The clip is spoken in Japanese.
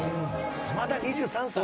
まだ２３歳！